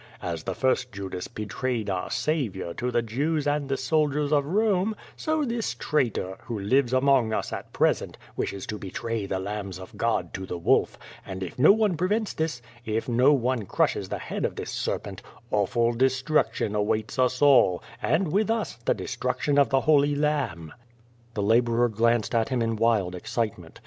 As the first Judas betrayed our Saviour to the Jews and the soldiers of Rome, so this traitor, who lives among us at pres ent, wishes to betray the lambs of God to the wolf^ and if no QUO VADI8. 139 one prevents this — if no one crushes the head of this ser pent— ^awful destruction awaits us all, and with us the destruction of the Holy Lamb/' The laborer glanced at him in wild excitement.